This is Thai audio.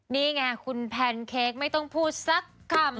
นี่ไงคุณแพนเค้กไม่ต้องพูดสักคำ